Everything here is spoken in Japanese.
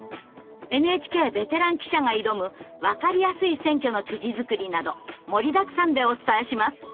ＮＨＫベテラン記者が挑む分かりやすい選挙の記事作りなど盛りだくさんでお伝えします！